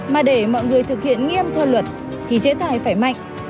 mà để mọi người thực hiện nghiêm theo luật thì chế tài phải mạnh